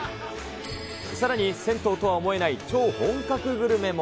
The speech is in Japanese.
さらに銭湯とは思えない超本格グルメも。